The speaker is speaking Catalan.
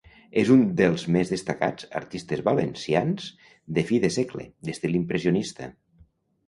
És un dels més destacats artistes valencians de fi de segle, d'estil impressionista.